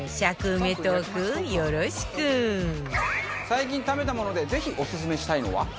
最近食べたものでぜひオススメしたいのは？